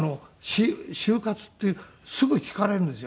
終活ってすぐ聞かれるんですよ。